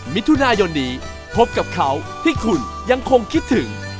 มิถุนายนนี้พบกับเขาที่คุณยังคงคิดถึง